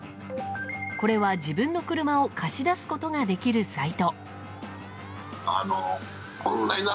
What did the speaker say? これは自分の車を貸し出すことができるサイト。